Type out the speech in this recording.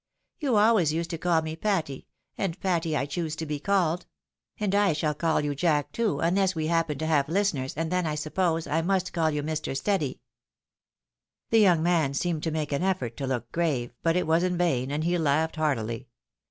You always used to call me Patty, and Patty I choose to be called ; and I shall call you Jack, too, unless when we hap pen to have listeners, and then, I suppose, I must caU you Mr. Steady." The young man seemed to make an effort to look grave, but it was in vain, and he laughed heartily.